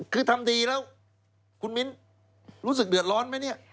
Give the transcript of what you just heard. คือทำดีแล้วคุณมิ้นรู้สึกเดือดร้อนไหมเนี่ย